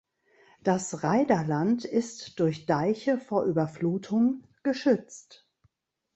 Das Rheiderland ist durch Deiche vor Überflutung geschützt.